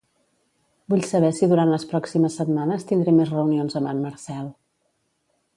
Vull saber si durant les pròximes setmanes tindré més reunions amb en Marcel.